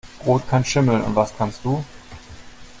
Brot kann schimmeln. Und was kannst du?